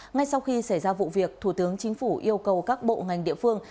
ngay sau khi xảy ra vụ việc thủ tướng chính phủ yêu cầu các bộ ngành địa phương